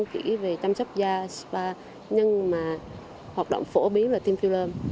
kỹ về chăm sóc da spa nhưng mà hoạt động phổ biến là tiêm filler